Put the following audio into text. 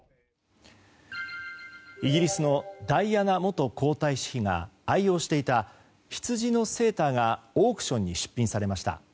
イギリスのダイアナ元皇太子妃が愛用していたヒツジのセーターがオークションに出品されました。